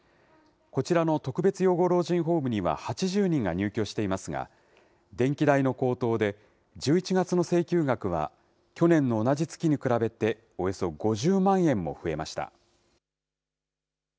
こちらの特別養護老人ホームには８０人が入居していますが、電気代の高騰で、１１月の請求額は、去年の同じ月に比べて、およそ５０万円も増えました。